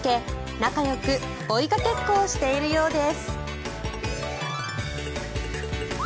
仲よく追いかけっこをしているようです。